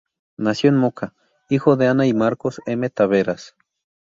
Nació en Moca, hijo de Ana y Marcos M. Taveras.